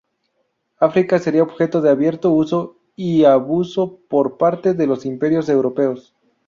África sería objeto de abierto uso y abuso por parte de los imperios europeos.